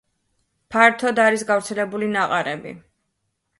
ფართოდ არის გავრცელებული ნაყარები.